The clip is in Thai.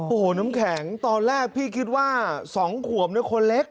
โอ้โหน้ำแข็งตอนแรกพี่คิดว่า๒ขวบคนเล็ก